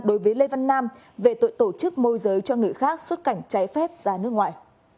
đối với lê văn nam về tội tổ chức môi giới cho người khác xuất cảnh trái phép ra nước ngoài